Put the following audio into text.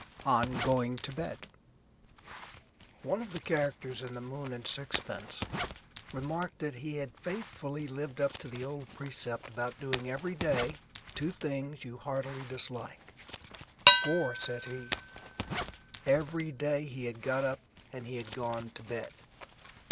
ON GOING TO BED One of the characters in "The Moon and Sixpence" remarked that he had faithfully lived up to the old precept about doing every day two things you heartily dislike; for, said he, every day he had got up and he had gone to bed.